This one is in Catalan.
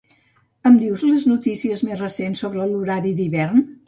Em dius les notícies més recents sobre l'horari d'hivern?